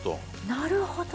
なるほど。